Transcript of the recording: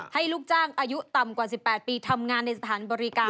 ลูกจ้างอายุต่ำกว่า๑๘ปีทำงานในสถานบริการ